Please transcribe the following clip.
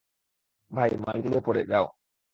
ভাই, মালগুলো ওপরে, যাও।